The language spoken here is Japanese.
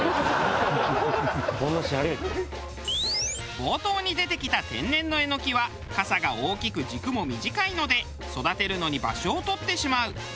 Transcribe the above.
冒頭に出てきた天然のエノキはカサが大きく軸も短いので育てるのに場所を取ってしまう。